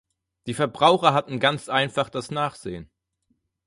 Die Verbraucher hatten ganz einfach das Nachsehen.